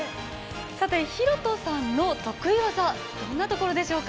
寛飛さんの得意技どんなところでしょうか？